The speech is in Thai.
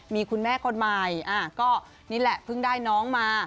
มีคุณแม่คนใหม่ก็นี่แหละเพิ่งได้น้องมา